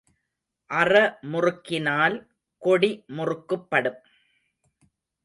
அற முறுக்கினால் கொடி முறுக்குப் படும்.